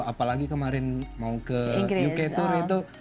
apalagi kemarin mau ke uk tour itu